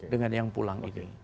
dengan yang pulang ini